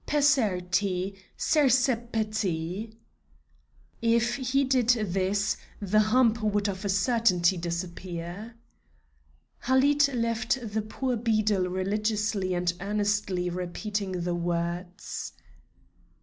Pesserti! Sersepeti!' if he did this, the hump would of a certainty disappear. Halid left the poor beadle religiously and earnestly repeating the words.